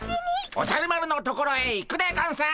おじゃる丸のところへ行くでゴンス！